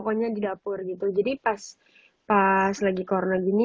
karena kalo masih kekurangan